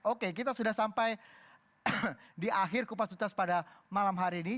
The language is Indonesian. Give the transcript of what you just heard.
oke kita sudah sampai di akhir kupas tuntas pada malam hari ini